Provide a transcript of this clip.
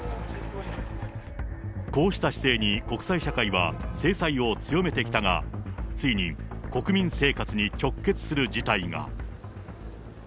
こうした姿勢に国際社会は制裁を強めてきたが、ついに国民生活に直結する事態が。